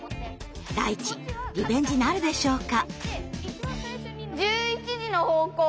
ダイチリベンジなるでしょうか？